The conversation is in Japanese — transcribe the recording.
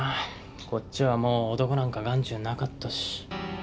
こっちはもう男なんか眼中になかったし。